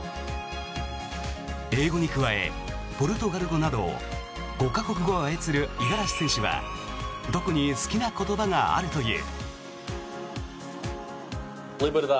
英語に加え、ポルトガル語など５か国語を操る五十嵐選手は特に好きな言葉があるという。